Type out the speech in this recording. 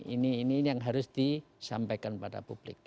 ini ini yang harus disampaikan pada publik